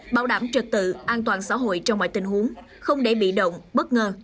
bảo đảm trực tự an toàn xã hội trong mọi tình huống không để bị động bất ngờ